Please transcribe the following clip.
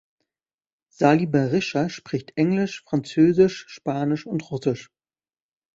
Sali Berisha spricht Englisch, Französisch, Spanisch und Russisch.